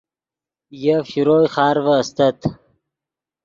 یف شروئے خارڤے استت